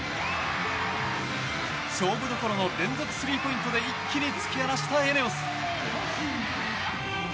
勝負どころの連続スリーポイントで一気に突き放したＥＮＥＯＳ。